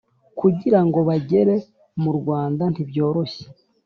Kugira ngo bagere murwanda ntibyoroshye